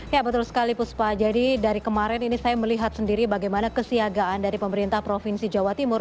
ya betul sekali puspa jadi dari kemarin ini saya melihat sendiri bagaimana kesiagaan dari pemerintah provinsi jawa timur